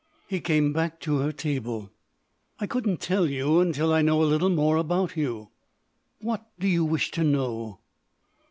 He came back to her table: "I couldn't tell you until I know a little more about you." "What—do you wish to know?"